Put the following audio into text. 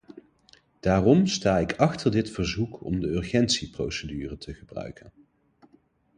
Daarom sta ik achter dit verzoek om de urgentieprocedure te gebruiken.